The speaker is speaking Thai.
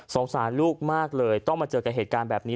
สารลูกมากเลยต้องมาเจอกับเหตุการณ์แบบนี้